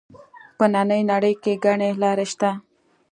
په نننۍ نړۍ کې ګڼې لارې شته